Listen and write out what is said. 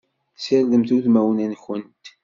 Sirdemt udmawen-nkent!